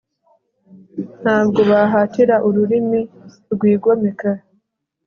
ntabwo bahatira ururimi rwigomeka